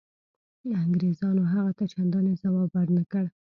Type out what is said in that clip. انګرېزانو هغه ته چنداني ځواب ورنه کړ.